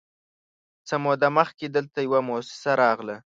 _څه موده مخکې دلته يوه موسسه راغله،